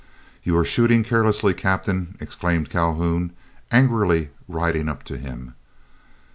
"You are shooting carelessly, Captain!" exclaimed Calhoun, angrily, riding up to him.